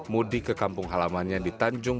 mudik ke kampung halamannya di tanjung